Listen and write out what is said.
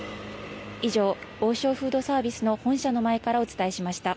以上、王将フードサービスの本社の前からお伝えしました。